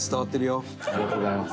ありがとうございます。